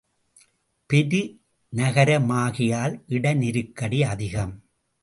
பெரு நகரமாகையால் இட நெருக்கடி அதிகம்.